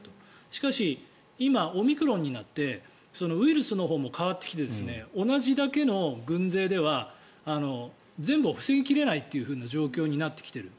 しかし、今、オミクロンになってウイルスのほうも変わってきて同じだけの軍勢では全部を防ぎ切れないという状況になってきている。